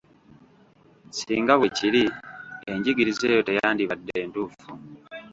Singa bwe kiri, enjigiriza eyo teyandibadde ntuufu.